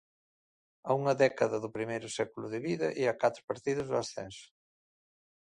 A unha década do primeiro século de vida e a catro partidos do ascenso.